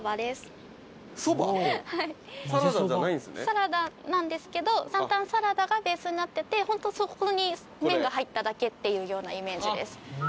サラダなんですけど坦々サラダがベースになっててホントそこに麺が入っただけっていうようなイメージです。